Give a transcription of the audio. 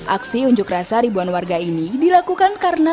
aksi unjuk rasa ribuan warga ini dilakukan karena